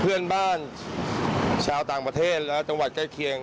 เพื่อนบ้านชาวต่างประเทศและจังหวัดใกล้เคียง